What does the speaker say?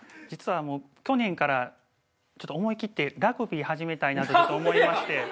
実は去年からちょっと思い切ってラグビー始めたいなと思いまして。